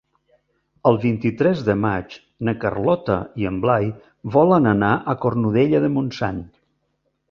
El vint-i-tres de maig na Carlota i en Blai volen anar a Cornudella de Montsant.